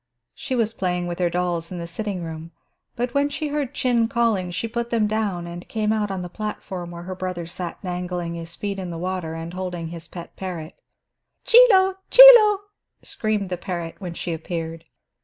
She was playing with her dolls in the sitting room, but when she heard Chin calling she put them down and came out on the platform where her brother sat dangling his feet in the water and holding his pet parrot. "Chie Lo! Chie Lo!" screamed the parrot, when she appeared.